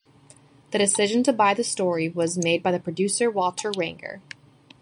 The decision to buy the story was made by producer Walter Wanger.